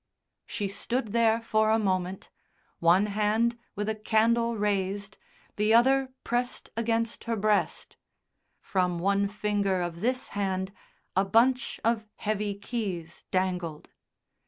She stood there for a moment, one hand with a candle raised, the other pressed against her breast; from one finger of this hand a bunch of heavy keys dangled.